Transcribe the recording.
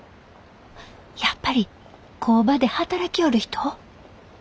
やっぱり工場で働きょおる人？